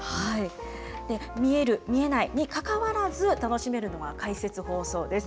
見える、見えないにかかわらず、楽しめるのが解説放送です。